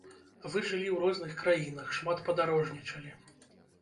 Вы жылі ў розных краінах, шмат падарожнічалі.